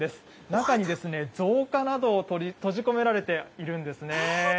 中に造花などを閉じ込められているんですね。